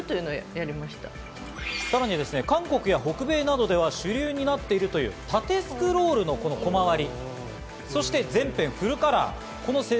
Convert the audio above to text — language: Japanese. さらに、韓国や北米などでは主流になっているという縦スクロールのコマ割り。